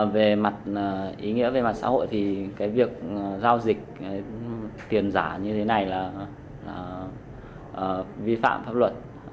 về mặt ý nghĩa về mặt xã hội thì cái việc giao dịch tiền giả như thế này là vi phạm pháp luật